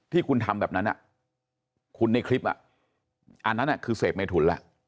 ที่คุณทำแบบนั้นคุณในคลิปอันนั้นคือเสพเมถุนแล้ว